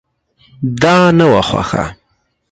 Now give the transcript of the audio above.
دا نه وه خوښه.